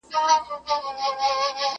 دښت مو زرغون کلی سمسور وو اوس به وي او کنه.!